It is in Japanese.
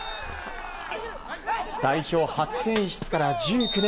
代表初選出から１９年。